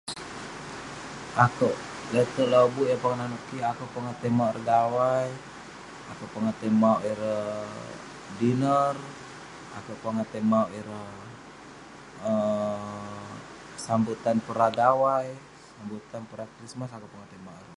Akouk, le'terk lobuk yah pongah nanouk kik, akouk pongah tai mauk ireh gawai, akouk pongah tai mauk ireh dinner, akouk pongah tai mauk ireh um sambutan pra gawai, sambutan pra krismas akouk pongah tai mauk ireh.